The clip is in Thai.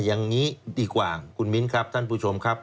อย่างนี้ดีกว่าคุณมิ้นครับท่านผู้ชมครับ